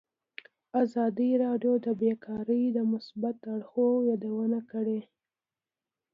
ازادي راډیو د بیکاري د مثبتو اړخونو یادونه کړې.